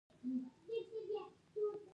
دوی کار کول د ځان لپاره شرم باله.